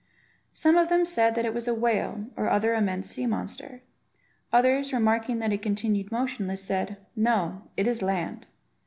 Some of them said that it was a whale, or other immense sea monster; others, remarking that it continued motionless, said, "No; it is land."